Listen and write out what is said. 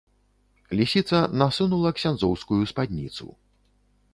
Лісіца насунула ксяндзоўскую спадніцу.